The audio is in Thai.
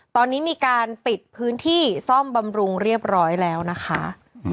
ตอนนี้มีการปิดพื้นที่ซ่อมบำรุงเรียบร้อยแล้วนะคะ